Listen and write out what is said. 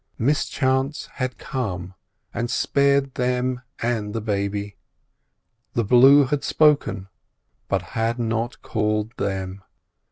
Mischance had come, and spared them and the baby. The blue had spoken, but had not called them.